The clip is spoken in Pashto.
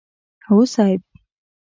هو صيب!